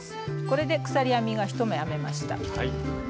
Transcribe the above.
これで鎖編みが１目編めました。